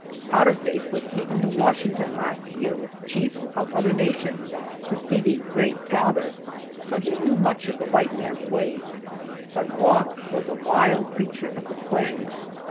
Powder Face was taken to Washington last year with chiefs of other nations to see the "Great Father," so he knew much of the white man's ways, but Wauk was a wild creature of the plains.